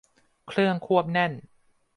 เครื่องควบแน่น